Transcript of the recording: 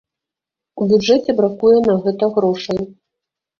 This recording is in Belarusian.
У бюджэце бракуе на гэта грошай.